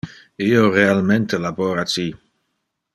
Io realmente labora ci.